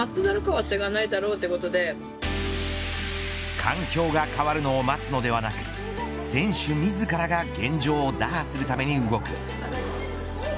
環境が変わるのを待つのではなく選手自らが現状を打破するために動く。